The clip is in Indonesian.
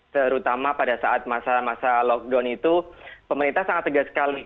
terutama pada saat masa masa lockdown itu pemerintah sangat tegas sekali